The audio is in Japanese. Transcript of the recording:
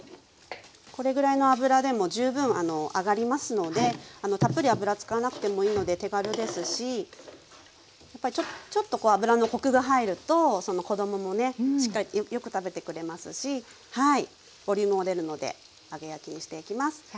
これぐらいの油でも十分揚がりますのでたっぷり油使わなくてもいいので手軽ですしちょっとこう油のコクが入ると子供もねよく食べてくれますしボリュームも出るので揚げ焼きにしていきます。